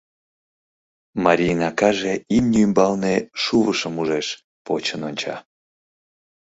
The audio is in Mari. Марийын акаже имне ӱмбалне шувышым ужеш, почын онча.